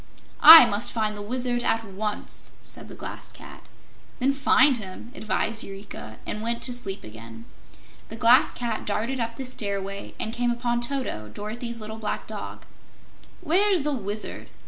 "I must find the Wizard at once!" said the Glass Cat. "Then find him," advised Eureka, and went to sleep again. The Glass Cat darted up the stairway and came upon Toto, Dorothy's little black dog. "Where's the Wizard?"